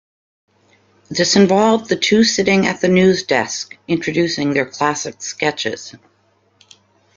This involved the two sitting at the newsdesk introducing their classic sketches.